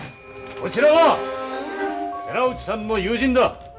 こちらは寺内さんの友人だ！